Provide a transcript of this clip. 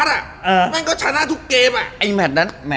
แล้วก็ท่านั่นชนะรวดอ่ะ